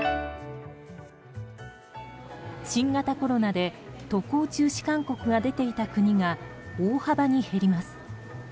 新型コロナで渡航中止勧告が出ていた国が大幅に減ります。